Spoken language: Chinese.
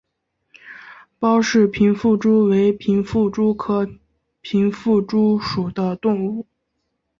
包氏平腹蛛为平腹蛛科平腹蛛属的动物。